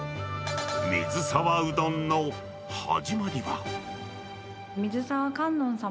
水沢うどんの始まりは。